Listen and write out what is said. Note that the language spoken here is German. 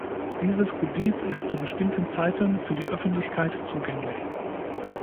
Dieses Gebiet ist zu bestimmten Zeiten für die Öffentlichkeit zugänglich.